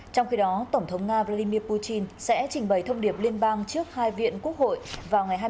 trong khi đó tổng thống nga vladimir putin sẽ trình bày thông điệp liên bang trước hai viện quốc hội vào ngày hai mươi tháng bốn